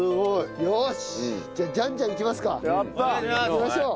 いきましょう。